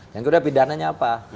yang kedua pidananya apa